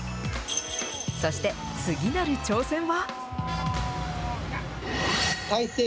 そして次なる挑戦は。